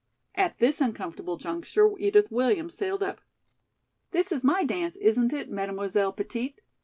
At this uncomfortable juncture Edith Williams sailed up. "This is my dance isn't it, Mademoiselle Petite?